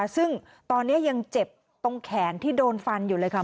ซึ่งตอนนี้ยังเจ็บตรงแขนที่โดนฟันอยู่เลยค่ะ